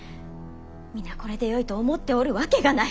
皆これでよいと思っておるわけがない！